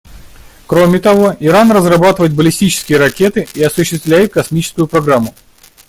Кроме того, Иран разрабатывает баллистические ракеты и осуществляет космическую программу.